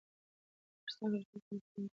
په افغانستان کې د رسوب تاریخ خورا ډېر اوږد دی.